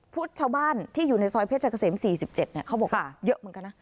ชาวบ้านที่อยู่ในซอยเพชรเกษม๔๗เขาบอกว่าเยอะเหมือนกันนะ